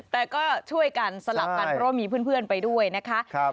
แต่ก็ช่วยกันสลับกันเพราะว่ามีเพื่อนไปด้วยนะคะ